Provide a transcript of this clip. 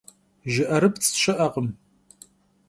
Jjı'erıpts' şı'ekhım.